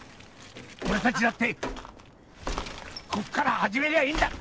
俺達だってこっから始めりゃいいんだ！